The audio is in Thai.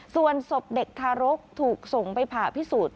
ส่วนศพเด็กทารกถูกส่งไปผ่าพิสูจน์